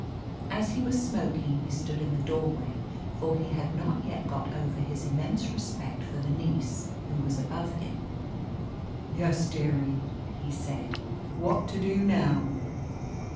As he was smoking, he stood in the doorway, for he had not yet got over his immense respect for the niece who was above him. "Yes, dearie?" he said. "What to do now?"